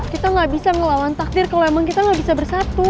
kita nggak bisa ngelawan takdir kalau emang kita nggak bisa bersatu